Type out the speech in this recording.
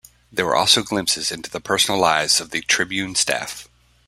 There were also glimpses into the personal lives of the "Tribune" staff.